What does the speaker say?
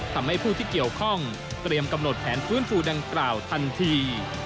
ทำให้ผู้ที่เกี่ยวข้องเตรียมกำหนดแผนฟื้นฟูดังกล่าวทันที